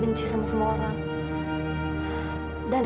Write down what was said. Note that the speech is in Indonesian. masih juga kayak di tengah